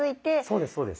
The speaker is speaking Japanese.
そうですそうです。